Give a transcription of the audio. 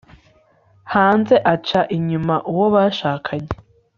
hanze, aca inyuma uwo bashakanye